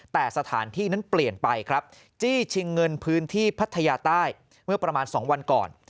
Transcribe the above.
แต่สถานที่นั้นเปลี่ยนไปครับจี้ชิงเงินพื้นที่พัทยาใต้เมื่อประมาณ๒วันก่อน